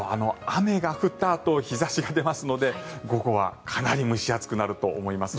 雨が降ったあと日差しが出ますので午後はかなり蒸し暑くなると思います。